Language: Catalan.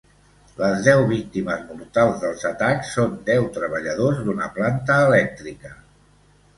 Les deu víctimes mortals dels atacs són deu treballadors d’una planta elèctrica.